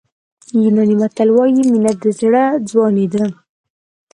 یوناني متل وایي مینه د زړه ځواني ده.